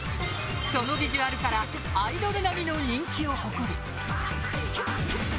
そのビジュアルからアイドル並みの人気を誇る。